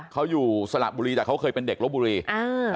เขาอยู่สระบุรีแต่เขาเคยเป็นเด็กลบบุรีอ่า